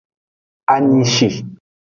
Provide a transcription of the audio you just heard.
Anyishi.